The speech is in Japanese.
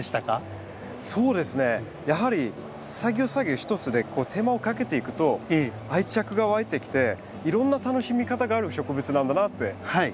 そうですねやはり作業作業一つで手間をかけていくと愛着がわいてきていろんな楽しみ方がある植物なんだなって知りました。